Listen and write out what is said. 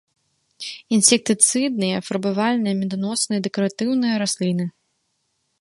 Інсектыцыдныя, фарбавальныя, меданосныя і дэкаратыўныя расліны.